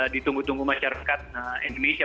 di tunggu tunggu masyarakat indonesia